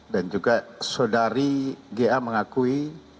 dan juga saudari ga mengakui